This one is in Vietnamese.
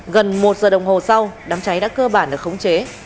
gần một giờ đồng hồ sau đám cháy đã cơ bản được khống chế